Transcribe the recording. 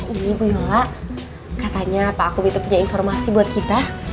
ini bu yola katanya pak aku itu punya informasi buat kita